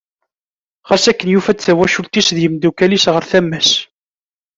Ɣas akken yufa-d tawacult-is d yimddukal-is ɣer tama-s.